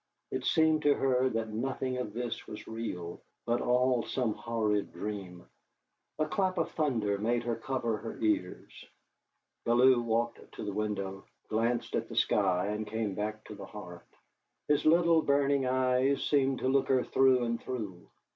It seemed to her that nothing of this was real, but all some horrid dream. A clap of thunder made her cover her ears. Bellew walked to the window, glanced at the sky, and came back to the hearth. His little burning eyes seemed to look her through and through.